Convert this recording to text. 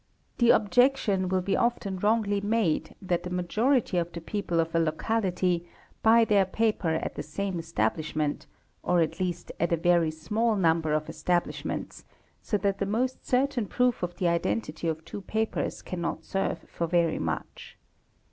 The objection will be often wrongly made that the majority of the people of a locality buy their paper at the same establishment or at least at a very small number of establish ments, so that the most certain proof of the identity of two papers cannot serve for very much.